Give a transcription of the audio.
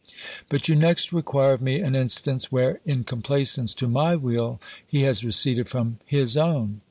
But you next require of me an instance, where, in complaisance to my will, he has receded from _his own?